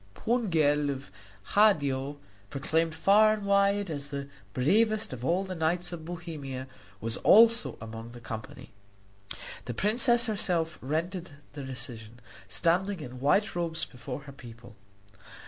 Pungel of Hadio, proclaimed far and wide as the bravest of all the knights of Bohemia, was also among the company. The princess herself rendered the decision, standing in white robes before her people.